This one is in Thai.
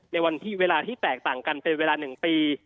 ในวันที่เวลาที่แตกต่างกันเป็นเวลา๑ปี